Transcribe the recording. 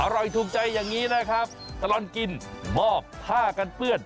ถูกใจอย่างนี้นะครับตลอดกินมอบผ้ากันเปื้อน